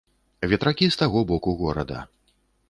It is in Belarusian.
Ветракі з таго боку горада.